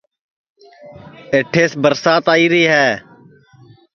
ایٹھیس برسات آئیری ہے